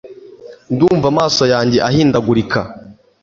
ndumva amaso yanjye ahindagurika